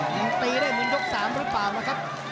หลงตีวยก๓หรือเปล่านะครับ